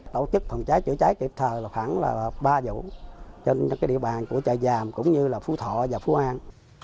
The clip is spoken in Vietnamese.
tổ chức phòng cháy chữa cháy kịp thời khoảng là ba vụ trên cái địa bàn của trà giàm cũng như là phú thọ và phú an